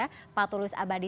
dr fathulus abadi